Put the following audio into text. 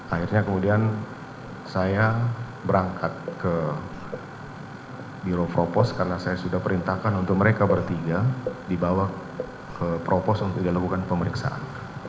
akhirnya kemudian saya berangkat ke biro propos karena saya sudah perintahkan untuk mereka bertiga dibawa ke propos untuk dilakukan pemeriksaan